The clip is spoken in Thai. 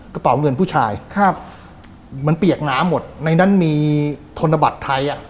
กระเป๋าเงินผู้ชายครับมันเปียกน้ำหมดในนั้นมีธนบัตรไทยอ่ะ